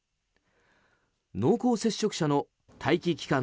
濃厚接触者の待機期間